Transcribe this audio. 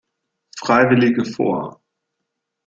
Freiwillige vor!